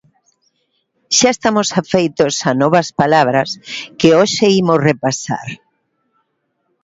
Xa estamos afeitos a novas palabras que hoxe imos repasar.